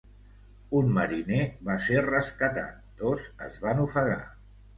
Un mariner va ser rescatat; dos es van ofegar.